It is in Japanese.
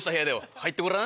入ってごらん。